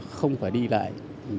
không phải đi lại